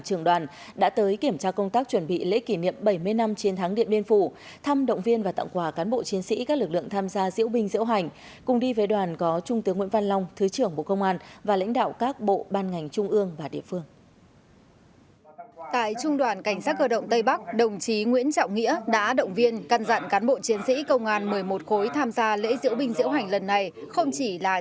chiến sĩ công an một mươi một khối tham gia lễ diễu binh diễu hành lần này không chỉ là trách nhiệm mà còn là vinh dự cho mỗi cán bộ chiến sĩ